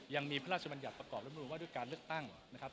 ยังมีพระราชบัญญัติประกอบรับนูนว่าด้วยการเลือกตั้งนะครับ